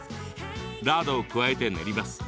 ラードを加えて練ります。